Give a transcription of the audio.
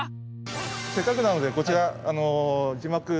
せっかくなのでこちらこの字幕。